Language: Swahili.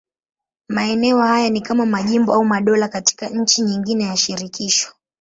Maeneo haya ni kama majimbo au madola katika nchi nyingine ya shirikisho.